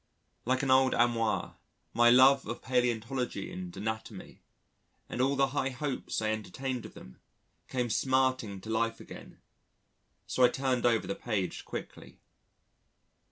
Like an old amour, my love of palæontology and anatomy, and all the high hopes I entertained of them, came smarting to life again, so I turned over the page quickly.